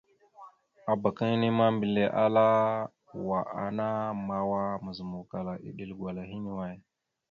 Abak inne ma, mbile ala ya: "Wa ana mawa mazǝmawkala iɗel gwala hine away?".